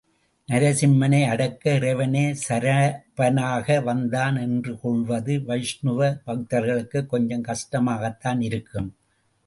நரசிம்மனை அடக்க இறைவனே சரபனாக வந்தான் என்று கொள்வது வைஷ்ணவ பக்தர்களுக்கு கொஞ்சம் கஷ்டமாகத்தான் இருக்கும்.